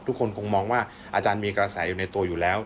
คงมองว่าอาจารย์มีกระแสอยู่ในตัวอยู่แล้ว